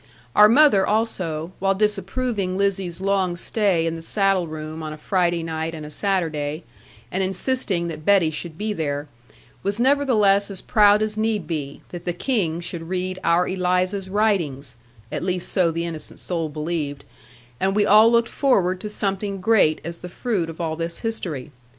Our mother also, while disapproving Lizzie's long stay in the saddle room on a Friday night and a Saturday, and insisting that Betty should be there, was nevertheless as proud as need be, that the King should read our Eliza' s writings at least so the innocent soul believed and we all looked forward to something great as the fruit of all this history.